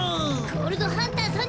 ゴールドハンターさん